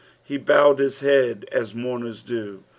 He bowed his head as mourners do.